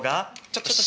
ちょっとシ。